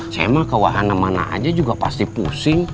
saya emang ke wahana mana aja juga pasti pusing